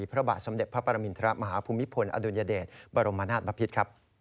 พระบาทสำเด็จพระปรมินทระมหาภูมิภญอยเดชน์บรมนาทประพริก